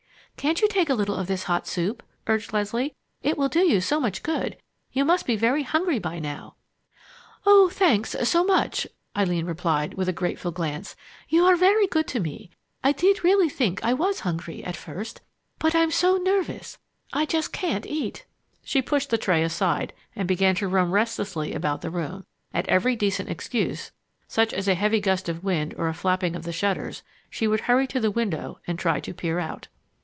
"Can't you take a little of this hot soup?" urged Leslie. "It will do you so much good. You must be very hungry by now." "Oh, thanks, so much!" Eileen replied, with a grateful glance. "You are very good to me. I did really think I was hungry, at first, but I'm so nervous I just can't eat!" She pushed the tray aside and began to roam restlessly about the room. At every decent excuse, such as an extra heavy gust of wind or a flapping of the shutters, she would hurry to the window and try to peer out.